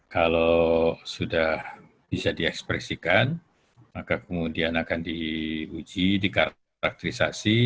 kalau sudah bisa diekspresikan maka kemudian akan diuji dikarakterisasi